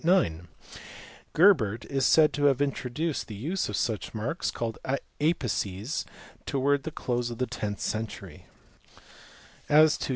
Gerbert is said to have introduced the use of such marks, called apices, towards the close of the tenth century (see below, p.